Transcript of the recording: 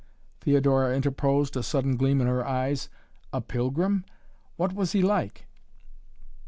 Theodora interposed, a sudden gleam in her eyes. "A pilgrim? What was he like?"